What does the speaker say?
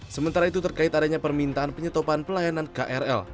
sementara itu terkait adanya permintaan penyetopan pelayanan krl